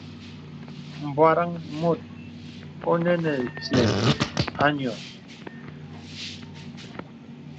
M̀bwarəŋ mùt ɔ̀nə nə vyɔ̀ a nyɔ̀.